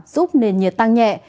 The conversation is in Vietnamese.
giúp nền nhiệt tăng nhẹ